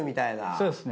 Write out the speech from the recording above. そうですね